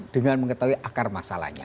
bagaimana kita menyelesaikan papua ini